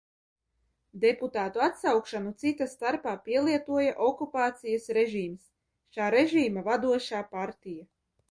Deputātu atsaukšanu, cita starpā, pielietoja okupācijas režīms, šā režīma vadošā partija.